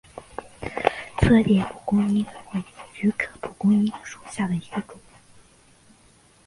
策勒蒲公英为菊科蒲公英属下的一个种。